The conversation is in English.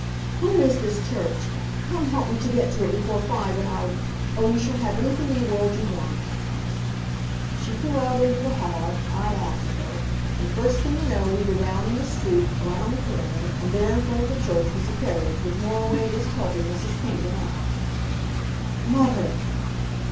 "Where is this church? Come, help me to get to it before five and I'll oh, you shall have anything in the world you want!" She flew out into the hall, I after her. And first thing you know we were down in the street, around the corner, and there in front of the church was a carriage with Moriway just helping Mrs. Kingdon out. "Mother!"